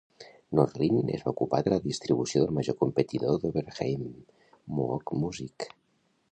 Norlin es va ocupar de la distribució del major competidor d'Oberheim, Moog Music.